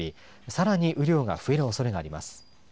さらに雨量が増えるおそれがあります。